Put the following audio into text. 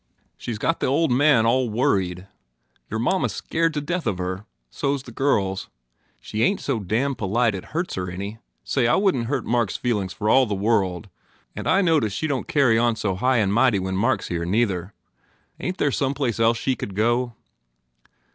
She s got the old man all worried. Your mamma s scared to death of her. So s the girls. She ain t so damned polite it hurts her any. ... Say, I wouldn t hurt Mark s feelings for the world And I notice she don t carry on so high and mighty when Mark s here, neither. Ain t there some place else she could go